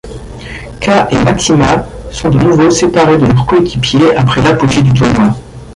K' et Maxima sont de nouveau séparés de leurs coéquipiers après l'apogée du tournoi.